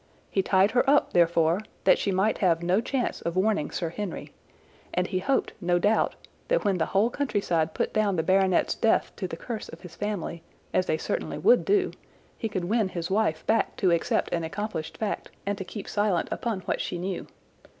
He tied her up, therefore, that she might have no chance of warning Sir Henry, and he hoped, no doubt, that when the whole countryside put down the baronet's death to the curse of his family, as they certainly would do, he could win his wife back to accept an accomplished fact and to keep silent upon what she knew.